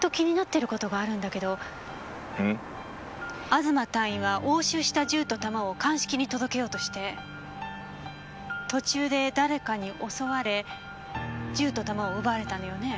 東隊員は押収した銃と弾を鑑識に届けようとして途中で誰かに襲われ銃と弾を奪われたのよね？